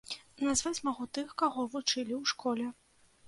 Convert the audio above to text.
Назваць магу тых, каго вучылі ў школе.